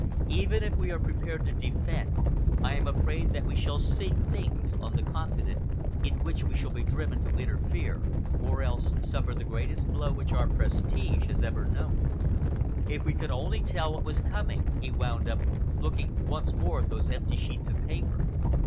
Even if we are prepared to defend, I am afraid that we shall see things on the Continent in which we shall be driven to interfere, or else suffer the greatest blow which our prestige has ever known. If we could only tell what was coming!" he wound up, looking once more at those empty sheets of paper.